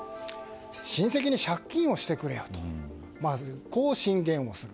親戚に借金をしてくれよとこう進言をする。